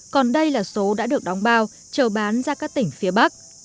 còn đây là số đã được đóng bao chờ bán ra các tỉnh phía bắc